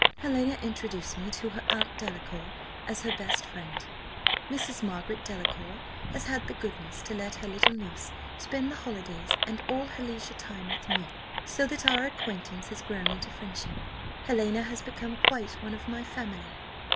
Helena introduced me to her aunt Delacour as her best friend. Mrs. Margaret Delacour has had the goodness to let her little niece spend the holidays and all her leisure time with me, so that our acquaintance has grown into friendship. Helena has become quite one of my family."